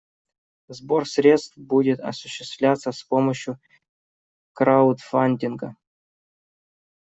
Сбор средств будет осуществляться с помощью краудфандинга.